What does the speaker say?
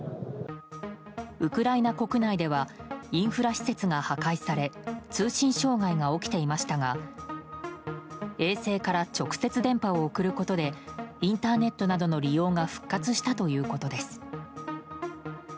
ウクライナ国内ではインフラ施設が破壊され通信障害が起きていましたが衛星から直接電波を送ることでインターネットなどの利用が復活したということです。